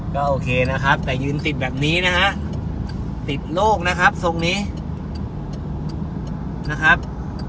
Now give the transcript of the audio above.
ก็โอเคนะครับแต่ยืนติดแบบนี้นะฮะติดโลกนะครับทรงนี้นะครับ